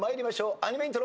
アニメイントロ。